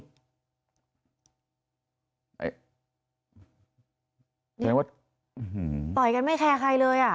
แสดงว่าต่อยกันไม่แคร์ใครเลยอ่ะ